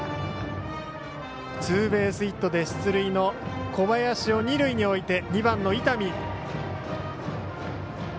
ツーベースヒットで出塁の小林を二塁に置いて２番の伊丹。